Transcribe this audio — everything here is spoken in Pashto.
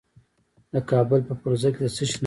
د کابل په فرزه کې د څه شي نښې دي؟